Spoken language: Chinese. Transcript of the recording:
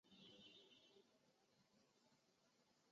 夸塔是巴西圣保罗州的一个市镇。